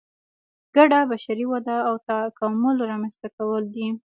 ګډه بشري وده او تکامل رامنځته کول دي.